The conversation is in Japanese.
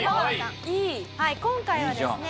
今回はですね